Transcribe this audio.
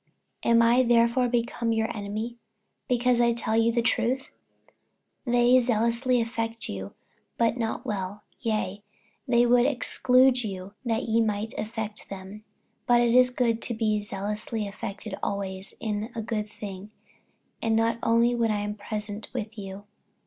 48:004:016 Am I therefore become your enemy, because I tell you the truth? 48:004:017 They zealously affect you, but not well; yea, they would exclude you, that ye might affect them. 48:004:018 But it is good to be zealously affected always in a good thing, and not only when I am present with you.